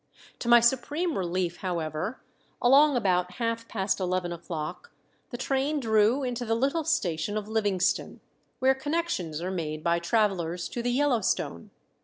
To my supreme relief, however, along about half past eleven o'clock the train drew into the little station of Livingston, where connections are made by travelers to the Yellowstone.